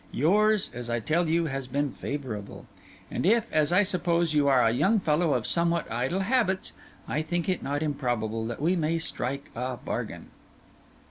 Yours, as I tell you, has been favourable; and if, as I suppose, you are a young fellow of somewhat idle habits, I think it not improbable that we may strike a bargain.